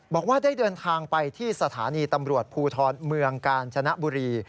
บอกว่าได้เดินทางไปที่สถานีตำรวจภูทรเมืองกาญจนบุรี